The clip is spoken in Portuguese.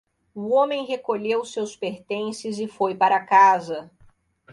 O homem recolheu seus pertences e foi para casa.